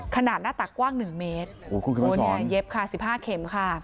ขนาดหน้าตักกว้างหนึ่งเมตรโวเนี่ยเย็บค่ะ๑๕เค็มค่ะ